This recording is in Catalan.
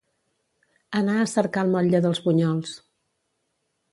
Anar a cercar el motlle dels bunyols.